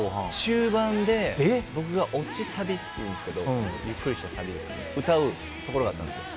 中盤で、僕がオチサビっていうんですけどゆっくりしたサビを歌うところがあったんです。